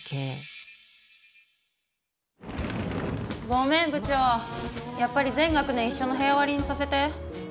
ごめん部長やっぱり全学年いっしょの部屋割りにさせて。